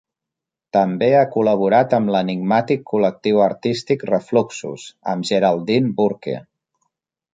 També ha col·laborat amb l'enigmàtic col·lectiu artístic Refluxus, amb Geraldine Burke.